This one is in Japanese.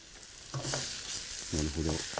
なるほど。